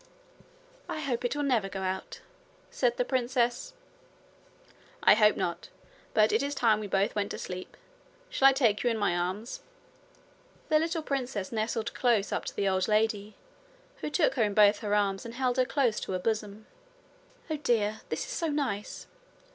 'I hope it will never go out,' said the princess. 'I hope not. But it is time we both went to sleep. Shall I take you in my arms?' The little princess nestled close up to the old lady, who took her in both her arms and held her close to her bosom. 'Oh, dear! this is so nice!'